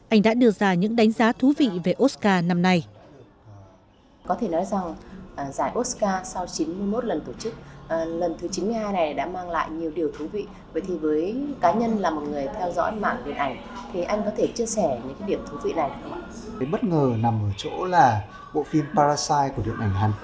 anh đã đưa ra những đánh giá thú vị về oscar năm nay